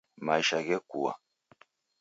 Maisha ghekua